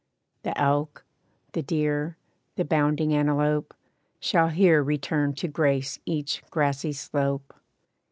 The elk, the deer, the bounding antelope, Shall here return to grace each grassy slope.'